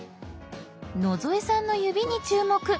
野添さんの指に注目！